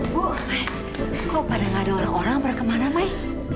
bu kok pada nggak ada orang orang pada kemana mai